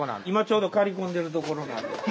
今ちょうど刈り込んでるところなんで。